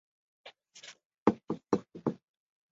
他们躲藏在艾尔行星上芬尼克斯指挥下的神族基地中。